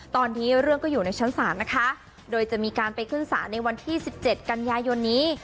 ตอนนี้เรื่องก็อยู่ในชั้นศาลนะคะโดยจะมีการไปขึ้นศาลในวันที่๑๗กันยายนนี้